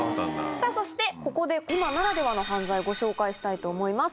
さぁそしてここで今ならではの犯罪ご紹介したいと思います。